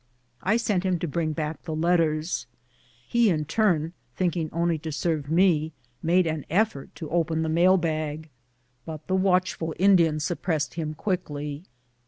I sent him to bring back the letters. He, in his turn, thinking only to serve me, made an effort to open the mail bag, but the watchful Indian suppressed him quick ly.